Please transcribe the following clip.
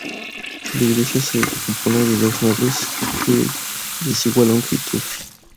La iglesia se compone de dos naves de desigual longitud.